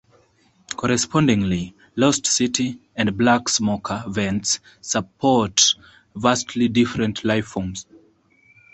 Correspondingly, Lost City and black smoker vents support vastly different lifeforms.